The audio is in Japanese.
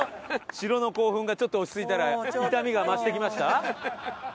城の興奮がちょっと落ち着いたら痛みが増してきました？